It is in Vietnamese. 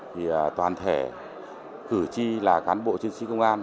thì toàn thể cử tri là cán bộ chính trị công an